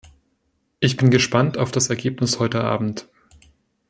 Ich bin gespannt auf das Ergebnis heute abend!